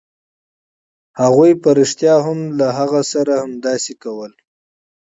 هغوی په رښتیا هم له هغه سره همداسې کول